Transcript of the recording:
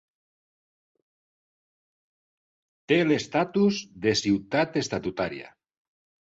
Té l'estatus de ciutat estatutària.